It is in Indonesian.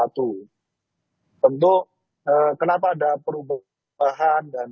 tentu kenapa ada perubahan dan perubahan